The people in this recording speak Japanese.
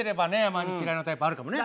まあ嫌いなタイプあるかもね。